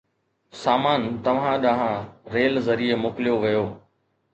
سامان توهان ڏانهن ريل ذريعي موڪليو ويو